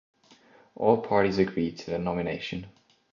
All parties agreed to the nomination.